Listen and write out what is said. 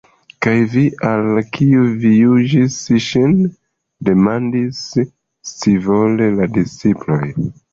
"Kaj vi? Al kiu vi juĝis ŝin?" demandis scivole la disĉiploj.